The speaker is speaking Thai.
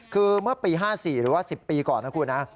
คือเมื่อปี๕๔หรือว่า๑๐ปีก่อนนะคุณนะ